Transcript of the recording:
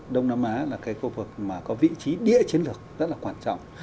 đông nam á là cái khu vực mà có vị trí địa chiến lược rất là quan trọng